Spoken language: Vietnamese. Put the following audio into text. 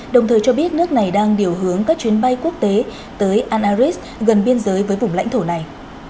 đồng thời cho biết nước này đang điều hướng các chuyến bay quốc tế tới anaris gần biên giới với vùng lãnh thổ này